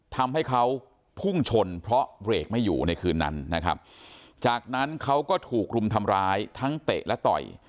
ทำให้เขาพุ่งชนเพราะเบรกไม่อยู่ในคืนนั้นนะครับจากนั้นเขาก็ถูกรุมทำร้ายทั้งเตะและต่อย